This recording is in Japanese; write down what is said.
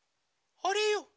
あれよ。